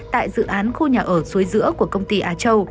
tại dự án khu nhà ở suối giữa của công ty á châu